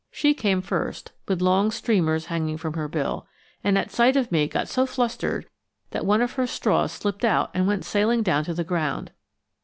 She came first, with long streamers hanging from her bill, and at sight of me got so flustered that one of her straws slipped out and went sailing down to the ground.